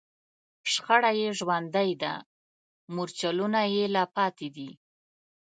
شخړه یې ژوندۍ ده، مورچلونه یې لا پاتې دي